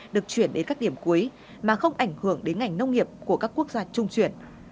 được chuyển đến các điểm cuối mà không ảnh hưởng đến ngành nông nghiệp của các quốc gia trung chuyển